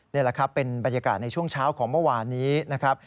นี่แหละครับเป็นบรรยากาศในช่วงเช้าของเมื่อวานนี้นะครับ